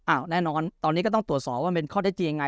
แน่นอนตอนนี้ก็ต้องตรวจสอบว่าเป็นข้อได้จริงยังไง